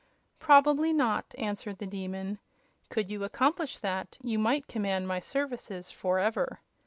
"Probably not," answered the Demon. "Could you accomplish that, you might command my services forever.